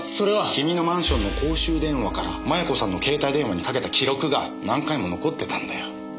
君のマンションの公衆電話から摩耶子さんの携帯電話にかけた記録が何回も残ってたんだよ。